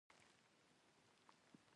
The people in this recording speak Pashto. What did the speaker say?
د سټنډرډ اداره فعاله ده؟